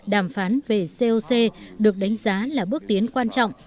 đàm phán về coc được đánh giá là bước tiến quan trọng